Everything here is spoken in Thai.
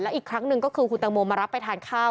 อีกครั้งหนึ่งก็คือคุณตังโมมารับไปทานข้าว